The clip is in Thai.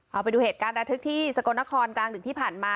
เอาไปดูเหตุการณ์ระทึกที่สกลนครกลางดึกที่ผ่านมา